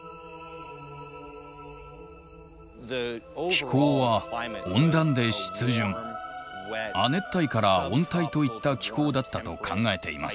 気候は温暖で湿潤亜熱帯から温帯といった気候だったと考えています。